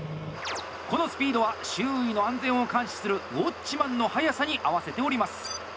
このスピードは周囲の安全を監視するウォッチマンの速さに合わせております。